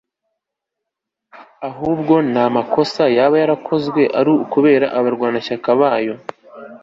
ahubwo n'amakosa yaba yarakozwe ari ukubera abarwanashyaka bayo